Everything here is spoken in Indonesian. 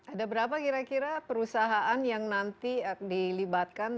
ada berapa kira kira perusahaan yang nanti dilibatkan